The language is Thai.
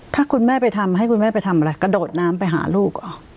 ถ้าคุณแม่ไปทำให้คุณแม่ไปทำอะไรกระโดดน้ำไปหาลูก